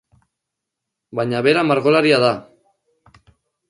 Baina bera margolaria da.